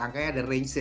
angkanya ada range nya